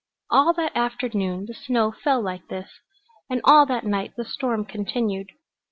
All that afternoon the snow fell like this, and all that night the storm continued.